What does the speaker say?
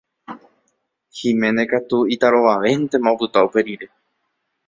Giménez katu itarovavéntema opyta uperire.